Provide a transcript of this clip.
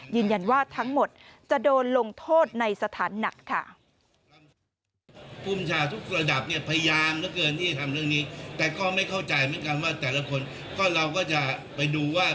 ยืนยันว่าทั้งหมดจะโดนลงโทษในสถานการณ์หนักค่ะ